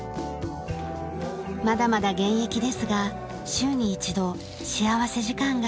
まだまだ現役ですが週に１度幸福時間があります。